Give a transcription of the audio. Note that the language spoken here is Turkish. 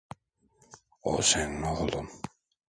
O senin oğlun.